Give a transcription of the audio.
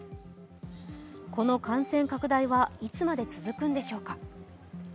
この感染拡大は、いつまで続くのでしょうか。